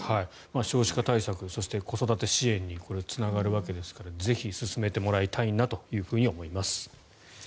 少子化対策そして、子育て支援にこれはつながるわけですからぜひ進めてもらいたいなというふうに思います。